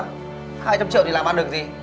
hai trăm linh triệu thì làm ăn được gì